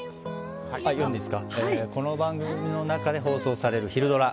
この番組の中で放送されるひるドラ！